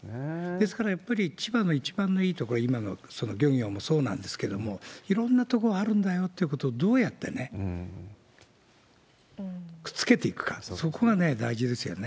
ですから、やっぱり千葉の一番のいいところは、今の漁業もそうなんですけど、いろんな所があるんだよということを、どうやってくっつけていくか、そこが大事ですよね。